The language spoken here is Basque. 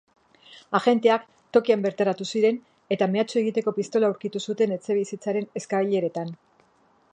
Agenteak tokian bertaratu ziren eta mehatxu egiteko pistola aurkitu zuten etxebizitzaren eskaileratan.